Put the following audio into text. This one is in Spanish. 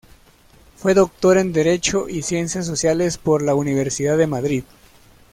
Fue doctor en Derecho y Ciencias Sociales por la Universidad de Madrid.